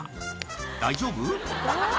大丈夫？